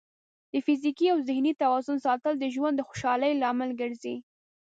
د فزیکي او ذهني توازن ساتل د ژوند د خوشحالۍ لامل ګرځي.